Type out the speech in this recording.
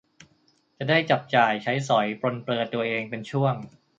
จะได้จับจ่ายใช้สอยปรนเปรอตัวเองเป็นช่วง